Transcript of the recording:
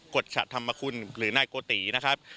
กฎฉะธรรมคุณหรือนายโกตินะครับ